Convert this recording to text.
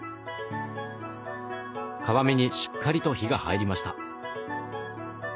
皮目にしっかりと火が入りました。